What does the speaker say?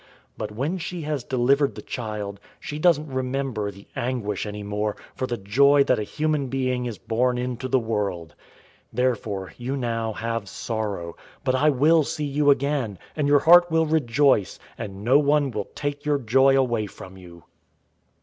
But when she has delivered the child, she doesn't remember the anguish any more, for the joy that a human being is born into the world. 016:022 Therefore you now have sorrow, but I will see you again, and your heart will rejoice, and no one will take your joy away from you.